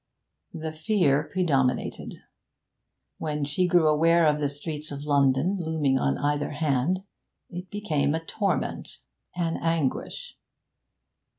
The fear predominated; when she grew aware of the streets of London looming on either hand it became a torment, an anguish.